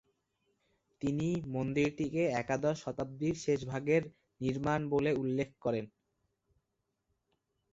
তিনি মন্দিরটিকে একাদশ শতাব্দীর শেষভাগের নির্মাণ বলে উল্লেখ করেন।